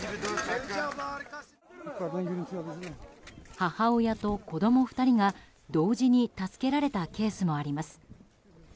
母親と子供２人が、同時に助けられたケースもあります。